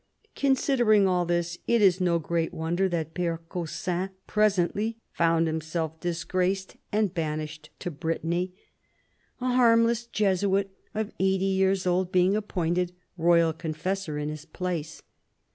Considering all this, it is no great wonder that P^re Caussin presently found himself disgraced and banished to Brit THE CARDINAL 267 tany, a harmless Jesuit of eighty years old being appointed royal confessor in his place.